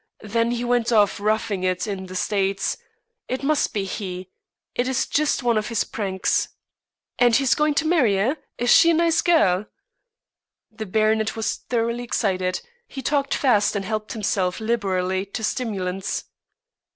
Then he went off, roughing it in the States. It must be he. It is just one of his pranks. And he is going to marry, eh? Is she a nice girl?" The baronet was thoroughly excited. He talked fast, and helped himself liberally to stimulants.